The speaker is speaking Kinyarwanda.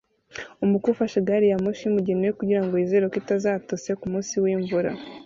Umukwe ufashe gari ya moshi y'umugeni we kugirango yizere ko itazatose kumunsi wimvura